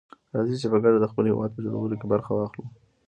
راځي چي په ګډه دخپل هيواد په جوړولو کي برخه واخلو.